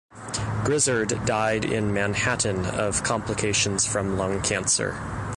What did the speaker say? Grizzard died in Manhattan of complications from lung cancer.